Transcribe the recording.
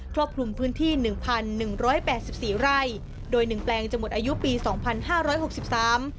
รอบคลุมพื้นที่หนึ่งพันหนึ่งร้อยแปดสิบสี่ไร่โดยหนึ่งแปลงจะหมดอายุปีสองพันห้าร้อยหกสิบสาม